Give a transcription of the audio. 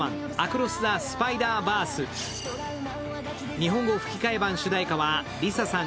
日本語吹き替え版主題歌はＬｉＳＡさん